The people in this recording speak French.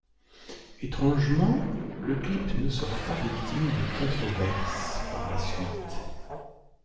Étrangement, le clip ne sera pas victime de controverses par la suite.